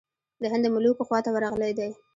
د هند د ملوکو خواته ورغلی دی.